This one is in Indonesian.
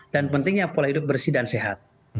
dan pentingnya pola hidup bersih dan sehat